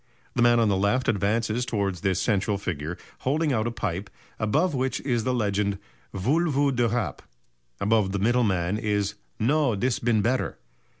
The man on the left advances towards this central figure holding out a pipe, above which is the legend "Voule vous de Rape." Above the middle man is "No dis been better."